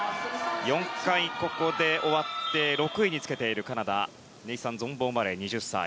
４回、ここで終わって６位につけているカナダのネーサン・ゾンボーマレー。